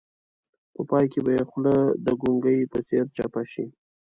په پای کې به یې خوله د ګونګي په څېر چپه شي.